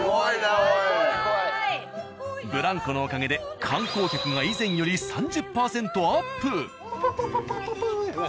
ブランコのおかげで観光客が以前より３０％アップ。